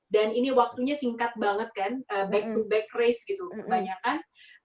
ini waktunya singkat banget kan back to back race gitu kebanyakan